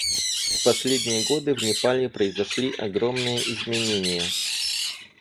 В последние годы в Непале произошли огромные изменения.